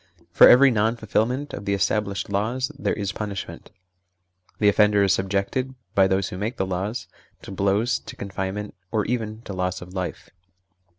For every non fulfilment of the established laws there is punishment : the offender is sub jected, by those who make the laws, to blows, to confinement, or even to loss of life.